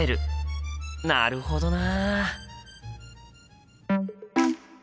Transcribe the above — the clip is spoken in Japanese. なるほどな。